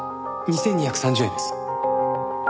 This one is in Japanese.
２２３０円です。